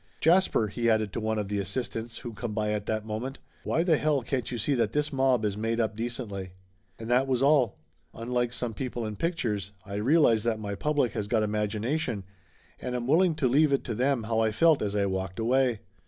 Jasper!" he added to one of the assistants who come by at that moment. "Why the hell can't you see that this mob is made up decently ?" And that was all. Unlike some people in pictures, Laughter Limited 143 I realize that my public has got imagination, and am willing to leave it to them how I felt as I walked away.